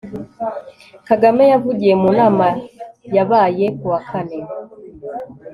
kagame yavugiye mu nama yabaye kuwakane